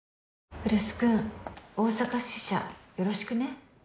・来栖君大阪支社よろしくね。